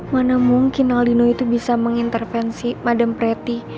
mana mungkin aldino itu bisa mengintervensi madem pretty